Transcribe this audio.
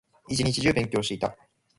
一日中勉強していた